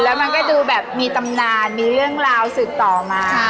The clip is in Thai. แล้วมันก็ดูแบบมีตำนานมีเรื่องราวสืบต่อมา